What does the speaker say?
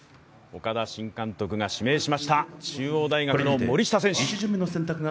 岡田新監督が指名しました、中央大学の森下選手。